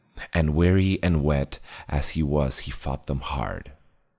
And weary and wet as he was he fought them hard.